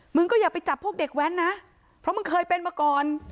อย่าไปจับพวกเด็กแว้นนะเพราะมึงเคยเป็นมาก่อน